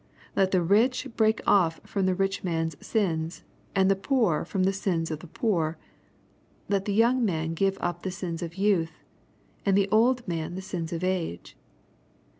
Let the rich break off from the rich man's sins, and the poor from the sins of the poor. Let the young man give up the sins of youth, and the old man the sins of age.